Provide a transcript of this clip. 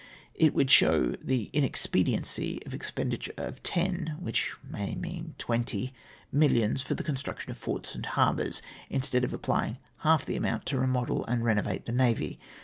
It would show the inexpediency of an ex jDcnditure of ten — which may mean twenty — milhons for the construction of forts and harbours, instead of appl}dng half the amount to remodel and renovate the navy.